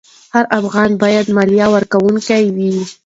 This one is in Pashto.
هر افغان باید مالیه ورکوونکی وي.